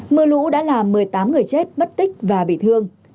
mưa lũ đã làm một mươi tám người chết mất tích và bị thương